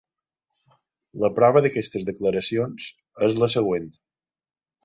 La prova d'aquestes declaracions és la següent.